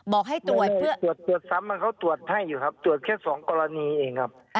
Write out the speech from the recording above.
ไม่ตรวจซ้ำมันเขาตรวจให้อยู่ครับตรวจแค่๒กรณีเองครับ